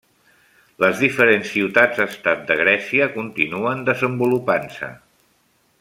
Les diferents ciutats estat de Grècia continuen desenvolupant-se.